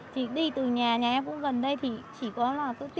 thì đi từ nhà nhà em cũng gần đây thì chỉ có là tự tiện cho con ra một chút thôi